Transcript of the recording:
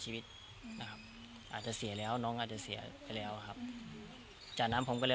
ชีวิตนะครับอาจจะเสียแล้วน้องอาจจะเสียไปแล้วครับจากนั้นผมก็เลย